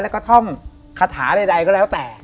แลรก่อคาถาใยก็แล้วแต่